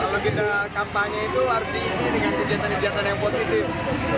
jadi kalau kita kampanye itu artinya ini kan kejahatan kejahatan yang positif